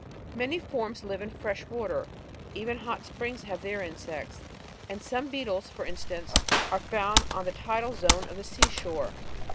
Many forms live in fresh water ; even hot springs have their insects, and some beetles, for instance, are found on the tidal zone of the sea shore.